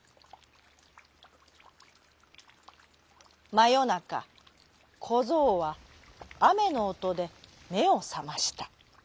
まよなかこぞうはあめのおとでめをさました。